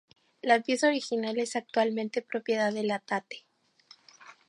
La pieza original es actualmente propiedad de la Tate.